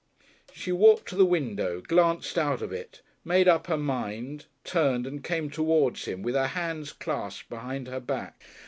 She walked to the window, glanced out of it, made up her mind, turned and came towards him, with her hands clasped behind her back.